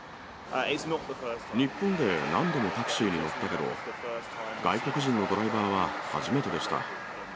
日本で何度もタクシーに乗ったけど、外国人のドライバーは初めてでした。